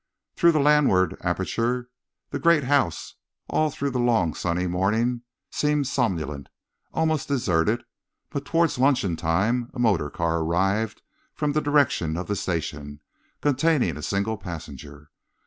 Through the landward aperture, the great house all through the long, sunny morning seemed somnolent, almost deserted, but towards luncheon time a motor car arrived from the direction of the station, containing a single passenger.